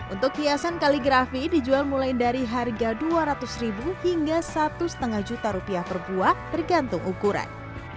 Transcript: untuk hiasan kaligrafi dijual mulai dari harga dua ratus ribu hingga satu lima juta rupiah per buah tergantung ukuran